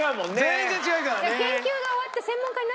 全然違うからね？